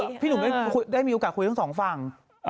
พี่หนุ่มได้มีโอกาสคุยทั้งสองฝั่ง